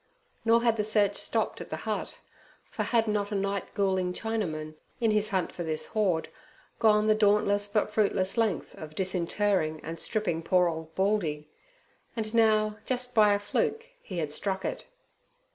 Nor had the search stopped at the hut, for had not a night ghouling Chinaman, in his hunt for this hoard, gone the dauntless but fruitless length of disinterring and stripping poor old Baldy? And now just by a fluke he had struck it.